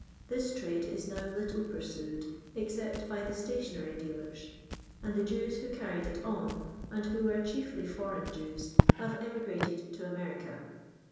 This trade is now little pursued, except by the stationary dealers ; and the Jews who carried it on, and who were chiefly foreign Jews, have emigrated to America.